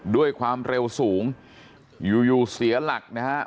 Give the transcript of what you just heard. ด้วยความเร็วสูงอยู่อยู่เสียหลักนะฮะ